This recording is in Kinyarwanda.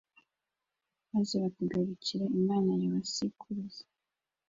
maze bakagarukira Imana ya ba sekuruza